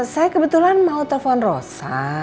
saya kebetulan mau telepon rosa